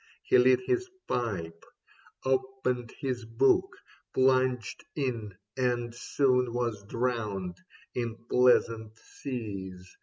He lit his pipe, Opened his book, plunged in and soon was drowned In pleasant seas